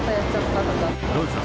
どうですか？